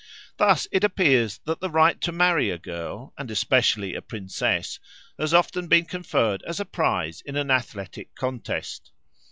Thus it appears that the right to marry a girl, and especially a princess, has often been conferred as a prize in an athletic contest.